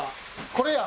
これや！